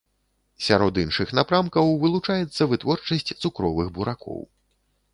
Сярод іншых напрамкаў вылучаецца вытворчасць цукровых буракоў.